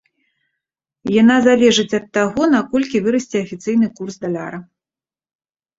Яна залежыць ад таго, наколькі вырасце афіцыйны курс даляра.